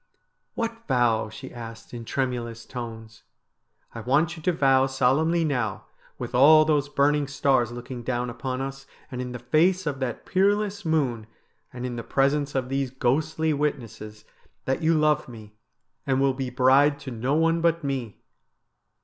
' What vow ?' she asked in tremulous tones. ' I want you to vow solemnly now, with all those burning stars looking down upon us, and in the face of that peerless moon, and in the presence of these ghostly witnesses, that you love me, and will be bride to no one but me.'